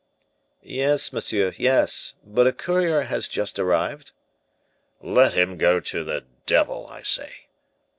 "Yes, monsieur, yes; but a courier has just arrived." "Let him go to the devil, I say."